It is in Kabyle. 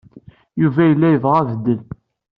Yuba yella yebɣa abeddel.